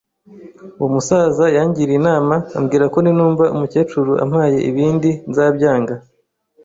Uwo musaza yangiriye inama, ambwira ko ninumva umukecuru ampaye ibindi nzabyanga